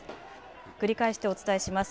繰り返してお伝えします。